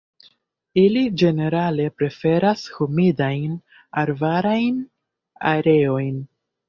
Ili ĝenerale preferas humidajn arbarajn areojn.